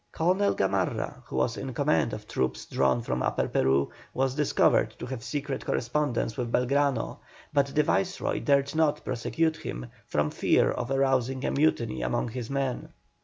Colonel Gamarra, who was in command of troops drawn from Upper Peru, was discovered to have secret correspondence with Belgrano, but the Viceroy dared not prosecute him from fear of arousing a mutiny among his men.